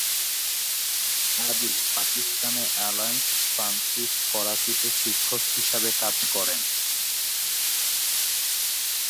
আজিম পাকিস্তানের Alliance Française করাচিতে শিক্ষক হিসাবে কাজ করেন।